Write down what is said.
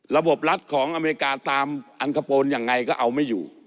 รัฐของอเมริกาตามอังคโปนยังไงก็เอาไม่อยู่